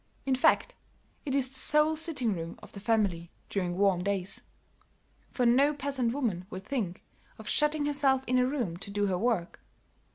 In fact, it is the sole sitting room of the family during warm days, for no peasant woman would think of shutting herself in a room to do her work.